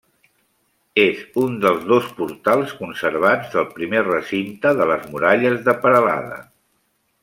És un dels dos portals conservats del primer recinte de les muralles de Peralada.